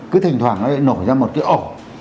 cứ thỉnh thoảng nó lại nổi ra một cái ổ